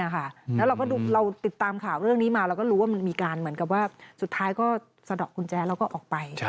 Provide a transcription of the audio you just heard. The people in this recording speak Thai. แล้วเราก็เราติดตามข่าวเรื่องนี้มาเราก็รู้ว่ามันมีการเหมือนกับว่าสุดท้ายก็สะดอกกุญแจแล้วก็ออกไป